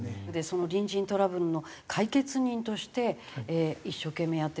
その隣人トラブルの解決人として一生懸命やっ